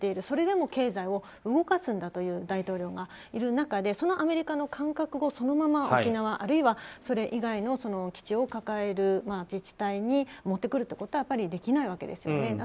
それでも経済を動かすんだという大統領がいる中でそのアメリカの感覚をそのまま沖縄、あるいはそれ以外の基地を抱える自治体に持ってくることはやっぱりできないわけですよね。